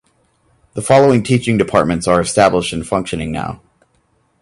The following teaching departments are established and functioning now